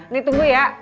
nik tunggu ya